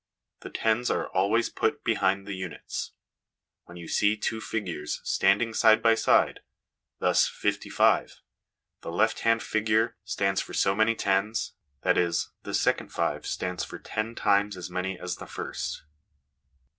The tens are always put behind the units: when you see two figures standing side by side, thus, '55,' the left hand figure stands for so many tens; that is, the second 5 stands for ten times as many as the first.